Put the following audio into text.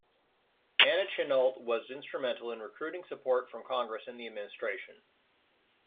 Anna Chennault was instrumental in recruiting support from Congress and the Administration.